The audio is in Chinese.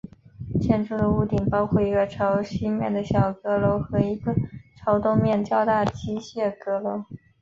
建筑的屋顶包括一个朝西面的小阁楼和一个朝东面较大机械阁楼。